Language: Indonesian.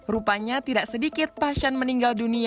rupanya tidak sedikit pasien meninggal dunia